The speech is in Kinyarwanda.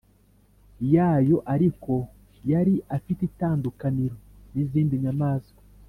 yayo Ariko yari ifite itandukaniro n izindi nyamaswa